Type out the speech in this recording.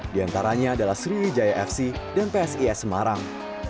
diantaranya adalah sriwijaya fc dan psis semarang